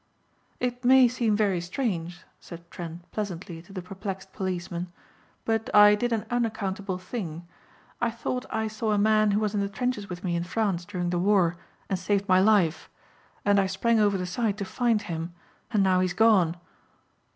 "It may seem very strange," said Trent pleasantly to the perplexed policeman, "but I did an unaccountable thing. I thought I saw a man who was in the trenches with me in France during the war and saved my life and I sprang over the side to find him and now he's gone."